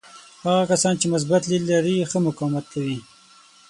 هغه کسان چې مثبت لید لري ښه مقاومت کوي.